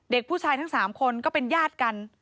เด็กผู้ชายทั้ง๓คนก็เป็นญาติกัน